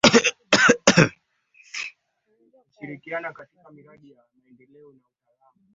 Naye Saimon Samitei Meneja Mwandamizi wa Miradi Shirika la amesema uandishi wa kitabu hicho